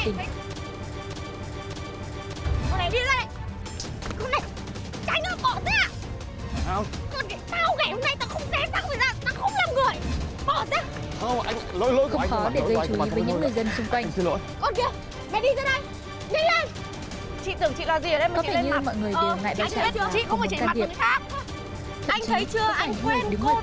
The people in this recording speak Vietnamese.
đi về đi